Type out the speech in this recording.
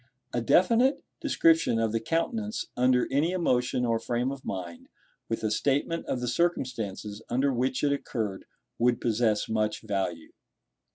A definite description of the countenance under any emotion or frame of mind, with a statement of the circumstances under which it occurred, would possess much value.